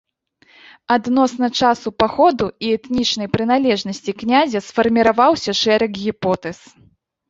Адносна часу паходу і этнічнай прыналежнасці князя сфарміраваўся шэраг гіпотэз.